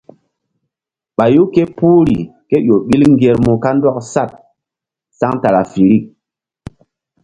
Ɓayu ké puhri ke ƴo ɓil ŋgermu kandɔk saɗ centrafirik.